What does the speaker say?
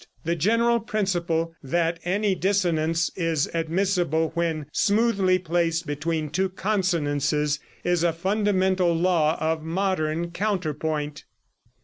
The general principle that any dissonance is admissible when smoothly placed between two consonances is a fundamental law of modern counterpoint.